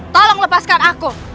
tolong lepaskan aku